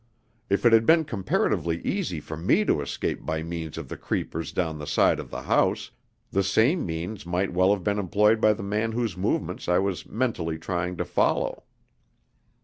If it had been comparatively easy for me to escape by means of the creepers down the side of the house, the same means might well have been employed by the man whose movements I was mentally trying to follow.